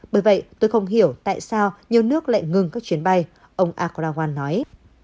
bởi vậy tôi không hiểu tại sao nhiều nước lại ngừng các chuyến bay ông akrawan nói